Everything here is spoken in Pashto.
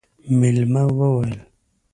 مېلمه وويل: